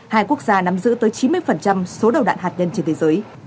hai quốc gia nắm giữ tới chín mươi số đầu đạn hạt nhân trên thế giới